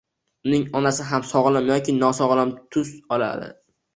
uning ongi ham sog‘lom yoki nosog‘lom tus oladi.